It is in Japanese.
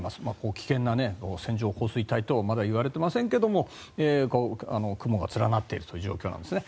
危険な線状降水帯等はまだ言われてませんけども雲が連なっているという状況なんですね。